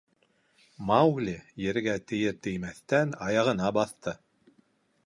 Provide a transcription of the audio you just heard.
Маугли ергә тейер-теймәҫтән аяғына баҫты.